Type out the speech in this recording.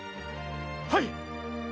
はい！